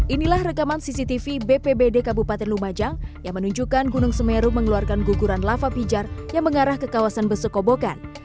inilah rekaman cctv bpbd kabupaten lumajang yang menunjukkan gunung semeru mengeluarkan guguran lava pijar yang mengarah ke kawasan besekobokan